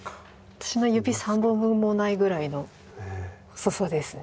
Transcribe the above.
私の指３本分もないぐらいの細さですね。